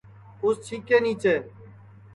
اُس چھیکے کے نیچے